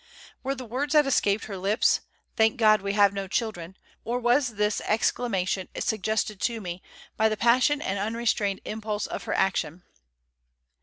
Were the words that escaped her lips "Thank God we have no children!" or was this exclamation suggested to me by the passion and unrestrained impulse of her action?